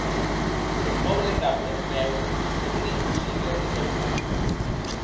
En nòble cap de Romèu que non ei possible desaunor.